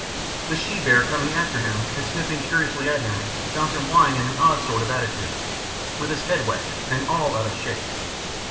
The she bear coming after him and sniffing curiously at him, found him lying in an odd sort of attitude, with his head wet and all out of shape.